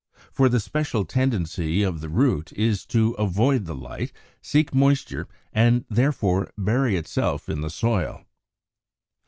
For the special tendency of the root is to avoid the light, seek moisture, and therefore to bury itself in the soil.